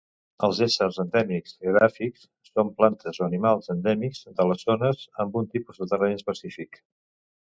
Els éssers endèmics edàfics són plantes o animals endèmics de les zones amb un tipus de terreny específic.